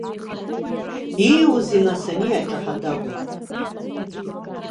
Ииуазеи нас ани аҿаҳа-дагәа?